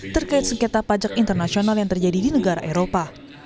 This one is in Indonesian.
terkait sengketa pajak internasional yang terjadi di negara eropa